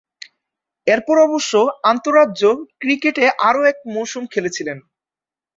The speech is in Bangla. এরপর অবশ্য আন্তঃরাজ্য ক্রিকেটে আরও এক মৌসুম খেলেছিলেন।